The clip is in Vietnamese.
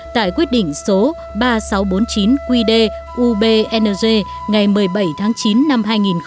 tại quyết định số ba nghìn sáu trăm bốn mươi chín qd ubnz ngày một mươi bảy tháng chín năm hai nghìn một mươi bảy